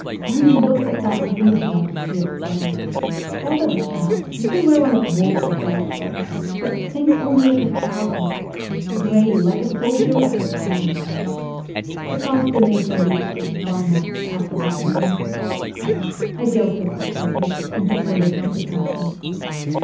' Only look at that uniform !' he exclaimed. ' Bother the cap ! you can wear one of wolf or bear fur ; but think only of the trousers ! Gray, like a sol dier of the Train !' The consternation reached its climax after that reading. I joked as' best I could, and took the list to the captain.